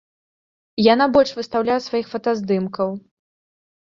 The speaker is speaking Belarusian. Яна больш выстаўляе сваіх фотаздымкаў.